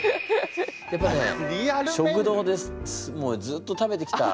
やっぱりね食堂でずっと食べてきた。